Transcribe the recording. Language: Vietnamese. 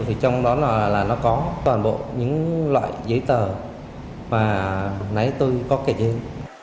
thì trong đó là nó có toàn bộ những loại giấy tờ mà nãy tôi có kẻ giấy